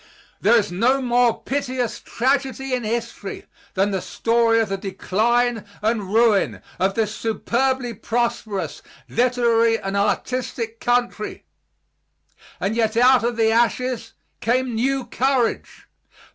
There is no more piteous tragedy in history than the story of the decline and ruin of this superbly prosperous, literary and artistic country, and yet out of the ashes came new courage.